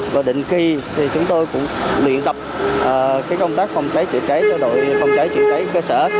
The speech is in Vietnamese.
và định kỳ thì chúng tôi cũng luyện tập công tác phòng cháy chữa cháy cho đội phòng cháy chữa cháy cơ sở